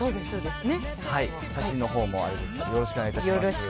写真のほうもありがとうござよろしくお願いいたします。